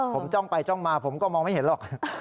ผมจ้องไปจ้องมาผมก็มองไม่เห็นหรอก